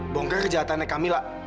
bongkar kejahatannya kamila